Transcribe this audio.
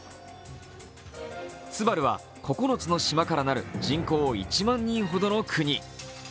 ツバルは９つの島から成る人口１万人ほどの国。